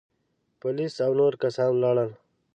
پوليس او نور کسان ولاړل.